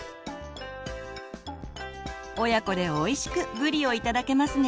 親子でおいしくぶりを頂けますね。